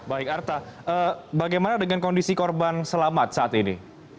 baik arta bagaimana dengan kondisi korban selamat saat ini